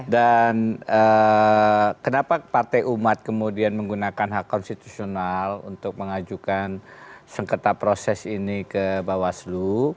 dan kenapa partai umat kemudian menggunakan hak konstitusional untuk mengajukan sengketa proses ini ke bawaslu